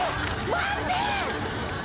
待って。